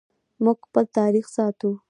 موږ خپل تاریخ ساتو